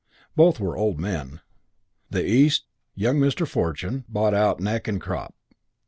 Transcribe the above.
Both were old men. The East, young Mr. Fortune bought out neck and crop.